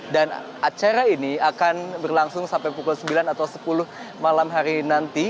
dan acara ini akan berlangsung sampai pukul sembilan atau sepuluh malam hari nanti